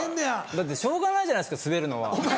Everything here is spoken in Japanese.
だってしょうがないじゃないですかスベるのは。